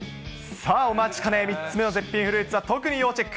さあ、お待ちかね３つ目の絶品フルーツはちょっと要チェック。